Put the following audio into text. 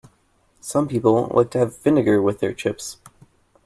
Some people like to have vinegar with their chips